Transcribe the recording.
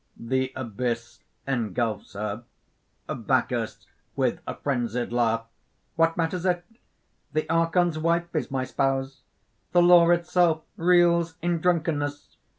(The abyss engulfs her.) BACCHUS (with a frenzied laugh). "What matters it? The Archon's wife is my spouse! The law itself reels in drunkenness!